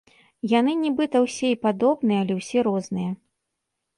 Яны нібыта ўсе і падобныя, але ўсе розныя.